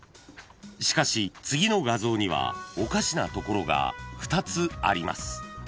［しかし次の画像にはおかしなところが２つあります］